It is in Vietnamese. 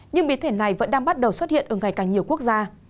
nhưng biến thể này vẫn đang bắt đầu xuất hiện ở ngày càng nhiều quốc gia